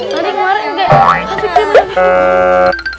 tadi kemarin udah